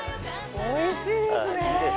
おいしいですね！